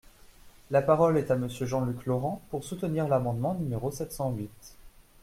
La parole est à Monsieur Jean-Luc Laurent, pour soutenir l’amendement numéro sept cent huit.